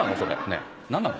ねえ何なの？